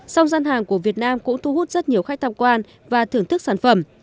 song gian hàng của việt nam cũng thu hút rất nhiều khách tham quan và thưởng thức sản phẩm